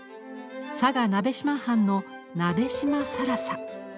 佐賀鍋島藩の鍋島更紗。